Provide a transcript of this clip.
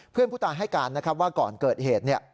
เพื่อนผู้ตายให้การนะครับว่าก่อนเกิดเหตุ